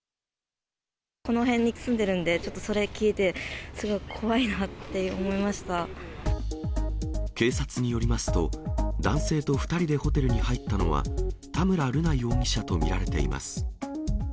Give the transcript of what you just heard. この辺に住んでるんで、ちょっとそれ聞いて、警察によりますと、男性と２人でホテルに入ったのは、田村瑠奈容疑者と見られています。